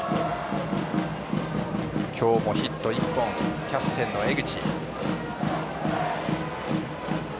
今日もヒット１本キャプテンの江口。